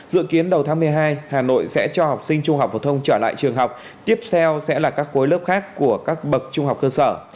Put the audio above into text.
dự kiến đầu tháng một mươi hai hà nội sẽ cho học sinh trung học phổ thông trở lại trường học tiếp theo sẽ là các khối lớp khác của các bậc trung học cơ sở